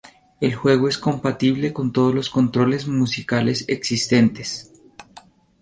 El juego es compatible con todos los controles musicales existentes.